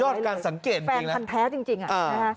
สุดยอดการสังเกตจริงนะแฟนทันแท้จริงอะ